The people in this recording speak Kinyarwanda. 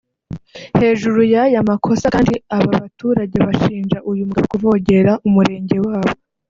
Hejuru y’aya makosa kandi aba baturage bashinja uyu mugabo kuvogera umurenge wabo